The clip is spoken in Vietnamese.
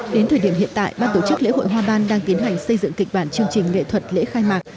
đến thời điểm hiện tại ban tổ chức lễ hội hoa ban đang tiến hành xây dựng kịch bản chương trình nghệ thuật lễ khai mạc